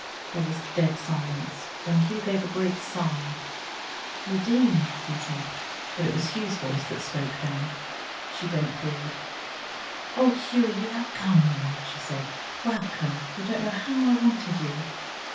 There was dead silence. Then Hugh gave a great sigh. "Nadine!" he said. But it was Hugh's voice that spoke then. She bent forward. "Oh, Hughie, you have come then," she said. "Welcome; you don't know how I wanted you!"